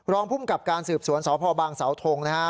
รองพุ่มกับการสืบสวนสภบางสธงนะฮะ